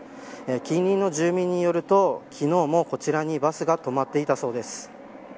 近隣の住民によると昨日も、こちらにバスが止まっていたそうです。